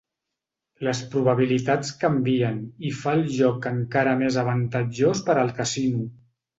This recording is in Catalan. Les probabilitats canvien i fa el joc encara més avantatjós per al casino.